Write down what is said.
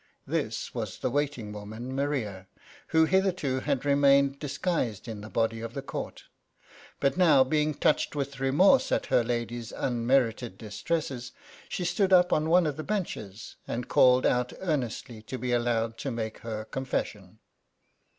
This was the waiting woman, Maria, who hitherto had remained disguised in the body of the Court ; but now being touched with remorse at her lady's unmerited distresses, she stood up on one of the benches, and called out earnestly to be allov, ed to make her confession.